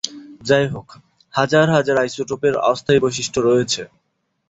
যাইহোক হাজার হাজার আইসোটোপের অস্থায়ী বৈশিষ্ট্য রয়েছে।